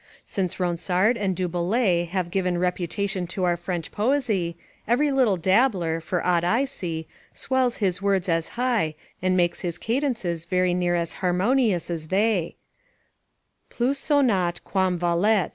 Since Ronsard and Du Bellay have given reputation to our French poesy, every little dabbler, for aught I see, swells his words as high, and makes his cadences very near as harmonious as they: "Plus sonat, quam valet."